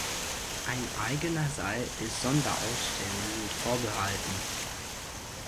Ein eigener Saal ist Sonderausstellungen vorbehalten.